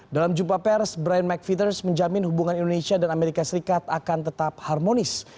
dalam jumpa pers brian mcfitters menjamin hubungan indonesia dan amerika serikat akan tetap harmonis